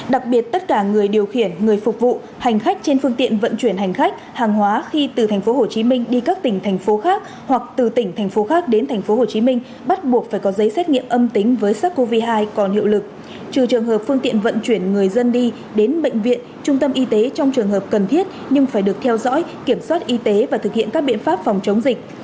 đặc biệt tất cả người điều khiển người phục vụ hành khách trên phương tiện vận chuyển hành khách hàng hóa khi từ tp hcm đi các tỉnh thành phố khác hoặc từ tỉnh thành phố khác đến tp hcm bắt buộc phải có giấy xét nghiệm âm tính với sars cov hai còn hiệu lực trừ trường hợp phương tiện vận chuyển người dân đi đến bệnh viện trung tâm y tế trong trường hợp cần thiết nhưng phải được theo dõi kiểm soát y tế và thực hiện các biện pháp phòng chống dịch